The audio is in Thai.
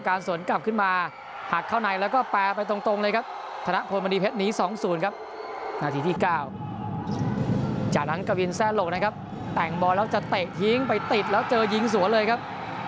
การสวนกลับขึ้นมาหักเข้าในแล้วก็แปลไปตรงเลยครับ